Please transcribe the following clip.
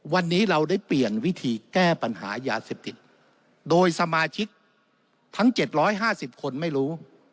วันนี้เราได้เปลี่ยนวิธีแก้ปัญหายาเสพติดโดยสมาชิกทั้ง๗๕๐คนไม่รู้